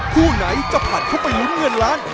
คู่ไหนจะผลัดเข้าไปลุ้นเงินล้าน